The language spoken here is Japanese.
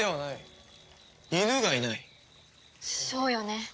そうよね。